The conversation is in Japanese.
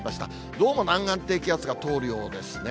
どうも南岸低気圧が通るようですね。